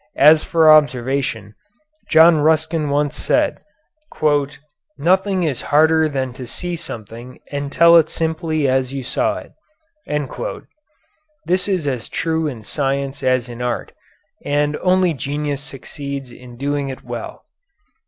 As for observation, John Ruskin once said, "Nothing is harder than to see something and tell it simply as you saw it." This is as true in science as in art, and only genius succeeds in doing it well.